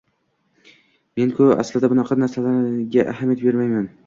Men-ku aslida bunaqa narsalargaahamiyat bermayman.